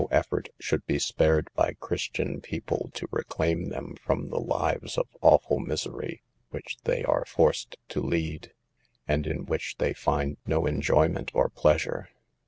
effort should be spared by Christian people to reclaim them from the lives of awful misery which they are forced to lead, and in which they find no enjoyment or pleasure.